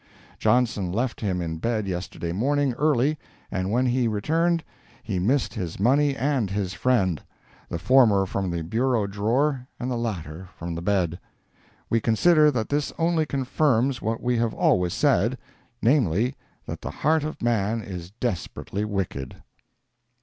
Johnson left him in bed yesterday morning, early, and when he returned, he missed his money and his friend—the former from the bureau drawer and the latter from the bed. We consider that this only confirms what we have always said—namely, that the heart of man is desperately wicked.